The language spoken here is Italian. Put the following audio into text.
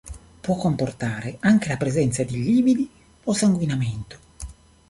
Può comportare anche la presenza di lividi o sanguinamento.